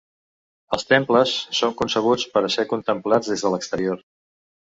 Els temples són concebuts per a ser contemplats des de l'exterior.